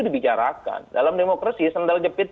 dibicarakan dalam demokrasi sendal jepit